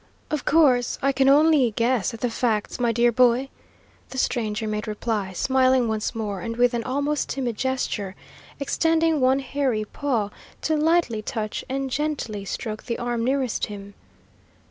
"Of course, I can only guess at the facts, my dear boy," the stranger made reply, smiling once more, and, with an almost timid gesture, extending one hairy paw to lightly touch and gently stroke the arm nearest him.